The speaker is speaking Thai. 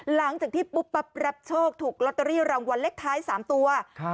หลังจากที่ปุ๊บปั๊บรับโชคถูกลอตเตอรี่รางวัลเลขท้าย๓ตัว